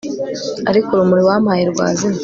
ariko urumuri wampaye rwazimye